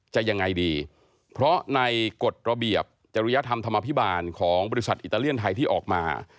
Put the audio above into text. จะยังไงดีเพราะในกฎระเบียบจริยธรรมธรรมภิบาลของบริษัทอิตาเลียนไทยที่ออกมา